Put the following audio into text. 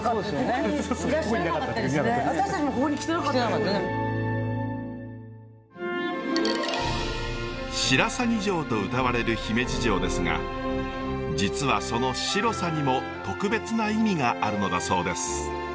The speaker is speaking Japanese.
まあでも白鷺城とうたわれる姫路城ですが実はその白さにも特別な意味があるのだそうです。